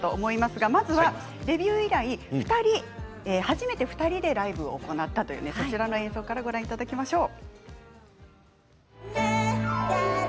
まずはデビュー以来初めて２人で行ったというライブの映像からご覧いただきましょう。